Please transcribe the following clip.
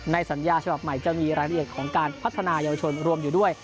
สัญญาฉบับใหม่จะมีรายละเอียดของการพัฒนายาวชนรวมอยู่ด้วย